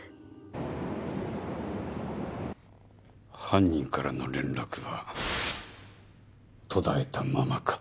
犯人からの連絡は途絶えたままか？